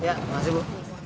ya makasih bu